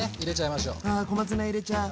あ小松菜入れちゃう。